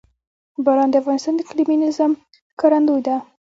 باران د افغانستان د اقلیمي نظام ښکارندوی ده.